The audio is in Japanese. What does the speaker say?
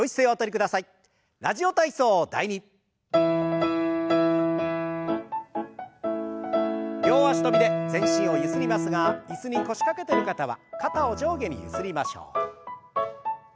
両脚跳びで全身をゆすりますが椅子に腰掛けてる方は肩を上下にゆすりましょう。